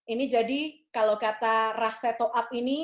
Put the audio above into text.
ini jadi kalau kata rahsetoab ini